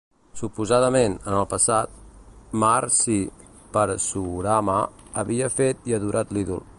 Suposadament, en el passat, Maharshi Parasurama havia fet i adorat l'ídol.